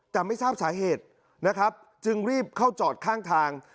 แต่ไม่ทราบสาเหตุนะครับจึงรีบเข้าจอดข้างทาง